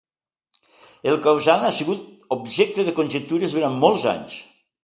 El causant ha sigut objecte de conjectures durant molts anys.